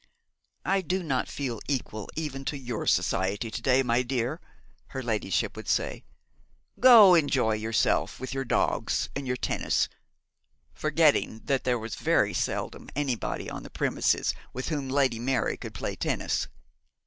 'I do not feel equal even to your society to day, my dear,' her ladyship would say; 'go and enjoy yourself with your dogs and your tennis;' forgetting that there was very seldom anybody on the premises with whom Lady Mary could play tennis.